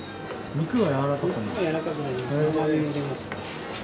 肉が柔らかくなります。